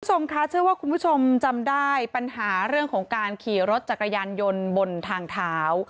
คุณผู้ชมคะเชื่อว่าคุณผู้ชมจำได้ปัญหาเรื่องของการขี่รถจักรยานยนต์บนทางเท้า